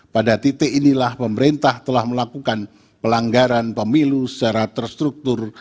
pada titik inilah pemerintah telah melakukan pelanggaran pemilu secara terstruktur